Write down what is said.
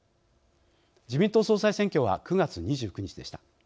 自民党総裁選挙は９月２９日でした。